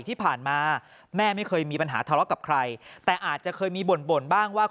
ที่ผ่านมาแม่ไม่เคยมีปัญหาทะเลาะกับใครแต่อาจจะเคยมีบ่นบ่นบ้างว่า